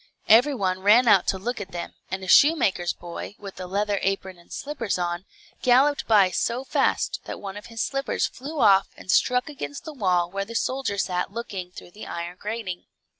Every one ran out to look at them, and a shoemaker's boy, with a leather apron and slippers on, galloped by so fast, that one of his slippers flew off and struck against the wall where the soldier sat looking through the iron grating.